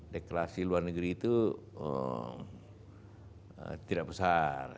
deklarasi luar negeri itu tidak besar